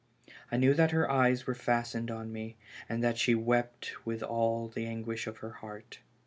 I knew that her eyes were fastened on me, and that she wept with all the anguish of her heart.